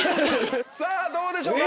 さぁどうでしょうか？